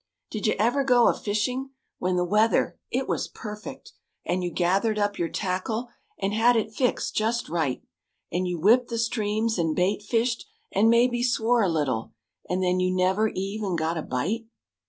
Did you ever go a fishing When the weather,—it was perfect! And you gathered up your tackle And had it fixed just right: And you whipped the streams and bait fished And maybe swore a little, And then you never even got a bite?